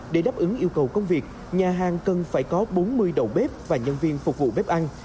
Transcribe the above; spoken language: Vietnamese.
để đáp ứng yêu cầu công việc nhà hàng cần phải có bốn mươi đầu bếp và nhân viên phục vụ bếp ăn